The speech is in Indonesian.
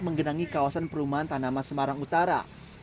menggenangi kawasan perumahan tanaman semarang utara